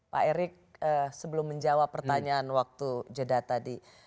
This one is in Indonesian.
pak erick sebelum menjawab pertanyaan waktu jeda tadi